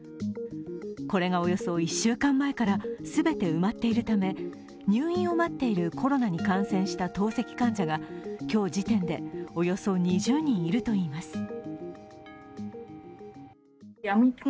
これがおよそ１週間前から全て埋まっているため入院を待っているコロナに感染した透析患者が今日時点でおよそ２０人いるといいます。